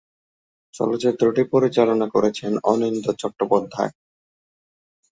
চলচ্চিত্রটি পরিচালনা করেছেন অনিন্দ্য চট্টোপাধ্যায়।